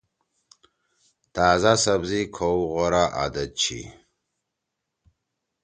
تازا سبزی کھؤ غورا عادت چھی۔